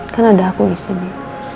kan ada aku disini